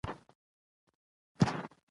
سندره د اوښکو نغمه ده